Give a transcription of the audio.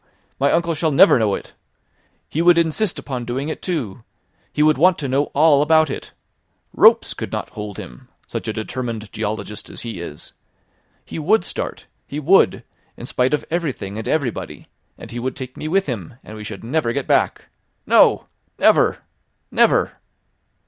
My uncle shall never know it. He would insist upon doing it too. He would want to know all about it. Ropes could not hold him, such a determined geologist as he is! He would start, he would, in spite of everything and everybody, and he would take me with him, and we should never get back. No, never! never!"